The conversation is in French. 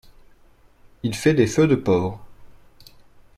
Il fait des feux de pauvre.